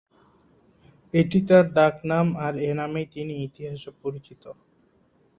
এটি তার ডাক নাম আর এ নামেই তিনি ইতিহাসে পরিচিত।